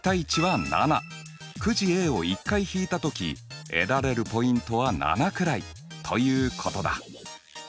くじＡを１回引いた時得られるポイントは７くらいということだ。